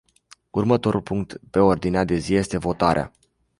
Următorul punct pe ordinea de zi este votarea.